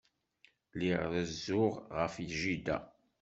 Lliɣ rezzuɣ ɣef jida.